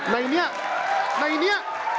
ในนี้ในนี้